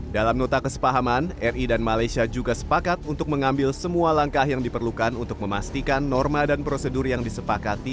dalam nota kesepahaman ri dan malaysia juga sepakat untuk mengambil semua langkah yang diperlukan untuk memastikan norma dan prosedur yang disepakati